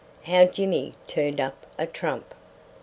HOW JIMMY TURNED UP A TRUMP.